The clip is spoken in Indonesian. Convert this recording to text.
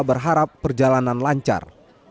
berharap perjalanan lancar